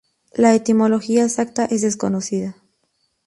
La etimología exacta es desconocida.